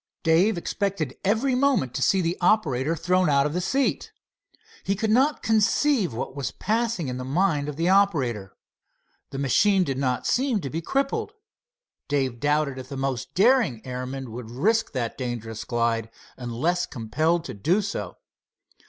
Dave expected every moment to see the operator thrown out of the seat. He could not conceive what was passing in the mind of the operator. The machine did not seem to be crippled. Dave doubted if the most daring airman would risk that dangerous glide unless compelled to do so.